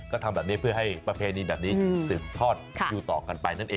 ก็ทำแบบนี้เพื่อให้ประเพณีแบบนี้สืบทอดอยู่ต่อกันไปนั่นเอง